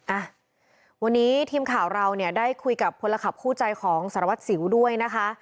อ่ะวันนี้ทีมข่าวเราเนี่ยได้คุยกับพลขับคู่ใจของสารวัตรสิวด้วยนะคะ